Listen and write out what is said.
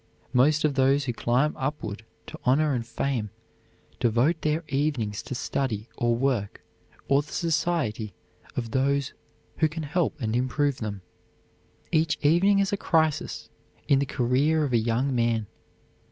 Most of those who climb upward to honor and fame devote their evenings to study or work or the society of those who can help and improve them. Each evening is a crisis in the career of a young man.